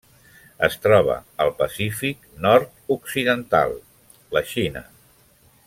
Es troba al Pacífic nord-occidental: la Xina.